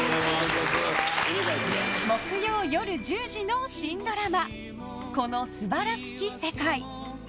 木曜夜１０時の新ドラマ「この素晴らしき世界」。